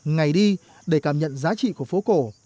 ngày đi để cảm nhận giá trị của phố cổ